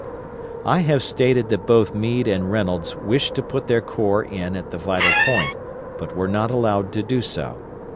I have stated that both Meade and Reynolds wished to put their corps in at the vital point, but were not allowed to do so.